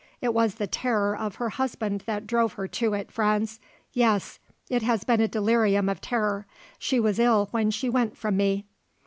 It was the terror of her husband that drove her to it, Franz. Yes; it has been a delirium of terror. She was ill when she went from me."